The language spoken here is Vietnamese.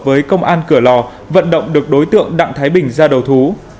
với công an cửa lò vận động được đối tượng đặng thái bình ra đầu thú